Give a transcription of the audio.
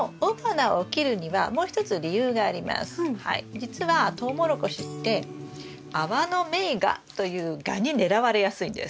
じつはトウモロコシってアワノメイガというガに狙われやすいんです。